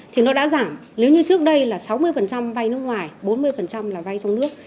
thì nó đã giảm nếu như trước đây là sáu mươi vay nước ngoài bốn mươi là vay trong nước